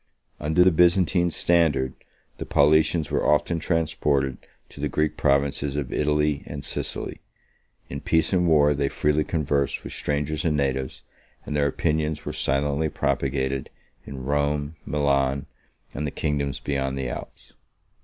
Under the Byzantine standard, the Paulicians were often transported to the Greek provinces of Italy and Sicily: in peace and war, they freely conversed with strangers and natives, and their opinions were silently propagated in Rome, Milan, and the kingdoms beyond the Alps.